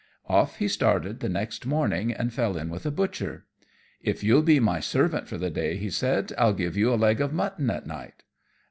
Off he started the next morning and fell in with a butcher. "If you'll be my servant for the day," he said, "I'll give you a leg of mutton at night."